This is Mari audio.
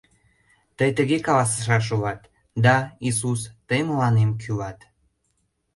Тый тыге каласышаш улат: «Да, Иисус, Тый мыланем кӱлат.